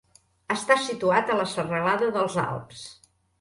Està situat a la serralada dels Alps.